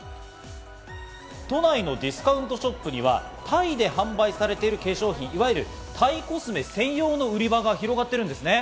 都内のディスカウントショップにはタイで販売されている化粧品、いわゆるタイコスメ専用の売り場が広がっているんです。